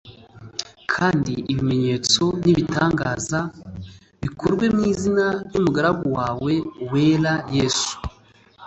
kandi ibimenyetso n ibitangaza g bikorwe mu izina h ry umugaragu wawe werai Yesu